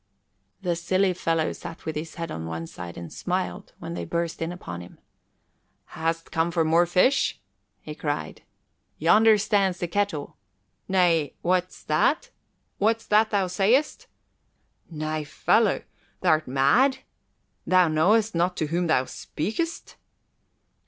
The silly fellow sat with his head on one side and smiled when they burst in upon him. "Hast come for more fish?" he cried. "Yonder stands the kettle. Nay, what's that? What's that thou sayest? Nay, fellow, th' art mad? Thou know'st not to whom thou speakest."